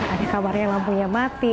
ada yang kamarnya lampunya mati